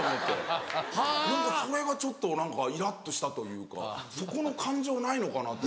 何かそれがちょっと何かイラっとしたというかそこの感情ないのかなって。